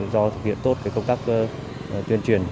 do thực hiện tốt công tác tuyên truyền